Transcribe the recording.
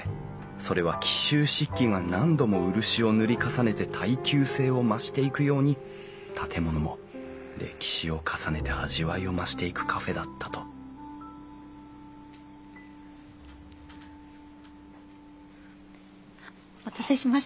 それは紀州漆器が何度も漆を塗り重ねて耐久性を増していくように建物も歴史を重ねて味わいを増していくカフェだったとお待たせしました。